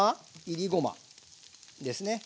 いりごまですね。